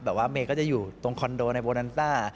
ว่าเมย์ก็จะอยู่ตรงคอนโดในโบนันต้า